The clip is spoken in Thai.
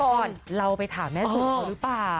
เดี๋ยวก่อนเราไปถามแม่สูเหรอเปล่า